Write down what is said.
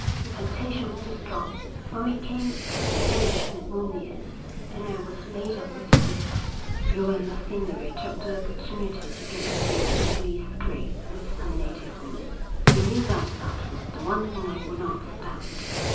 The temptation was too strong.' 'When we came to the station at Munias, and I was laid up with fever, you and Macinnery took the opportunity to get into an ugly scrape with some native women. You knew that that was the one thing I would not stand.